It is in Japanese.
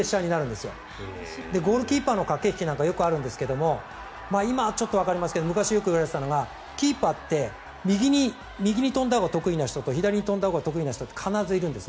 ゴールキーパーの駆け引きなんか色々あるんですけど今、ちょっとわかりませんが昔言われていたのがキーパーって右に飛んだほうが得意な人と左に飛んだほうが得意な人必ずいるんです。